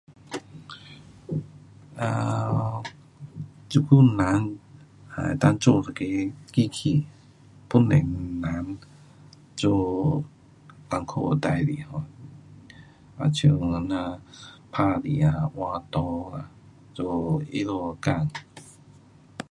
um 这久人能够做一个机器。帮助人做困苦的事情 um。好像讲那打铁啊，画图啊，做他们的工。